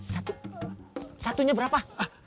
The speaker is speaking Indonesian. satu satunya berapa